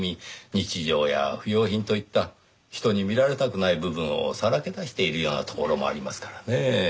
日常や不用品といった人に見られたくない部分をさらけ出しているようなところもありますからねぇ。